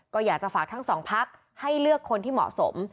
ก็อยากจะฝากทั้งสองพักให้เลือกคนที่เหมาะสม